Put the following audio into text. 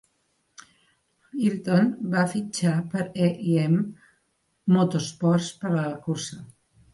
Hylton va fitxar per E i M Motorsports per a la cursa.